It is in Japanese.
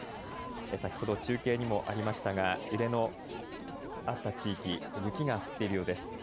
先ほど中継にもありましたが揺れのあった地域雪が降っているようです。